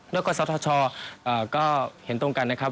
แล้วก็สทชก็เห็นตรงกันนะครับ